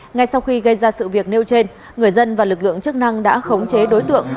ngay sau khi gây ra sự việc nêu trên người dân và lực lượng chức năng đã khống chế đối tượng